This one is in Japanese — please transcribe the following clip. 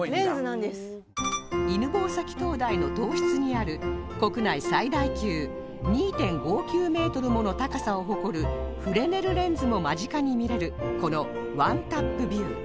犬吠埼灯台の灯室にある国内最大級 ２．５９ メートルもの高さを誇るフレネルレンズも間近に見れるこの ＯＮＥ タップビュー